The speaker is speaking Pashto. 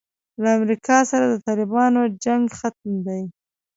له امریکا سره د طالبانو جنګ ختم دی.